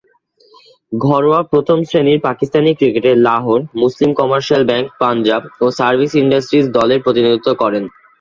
ঘরোয়া প্রথম-শ্রেণীর পাকিস্তানি ক্রিকেটে লাহোর, মুসলিম কমার্শিয়াল ব্যাংক, পাঞ্জাব ও সার্ভিস ইন্ডাস্ট্রিজ দলের প্রতিনিধিত্ব করেন।